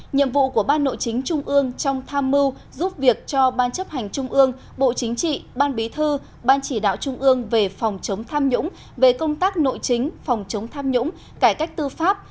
nhiệm vụ của ban nội chính trung ương trong tham mưu giúp việc cho ban chấp hành trung ương bộ chính trị ban bí thư ban chỉ đạo trung ương về phòng chống tham nhũng về công tác nội chính phòng chống tham nhũng cải cách tư pháp